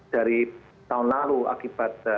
dari tahun lalu akibatnya